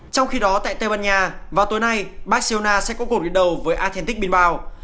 trong khi đó tại tây ban nha vào tối nay barcelona sẽ có cuộc điện đầu với athletic bilbao